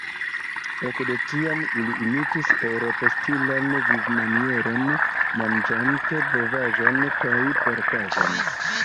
Ekde tiam ili imitis eŭropstilan vivmanieron, manĝante bovaĵon kaj porkaĵon.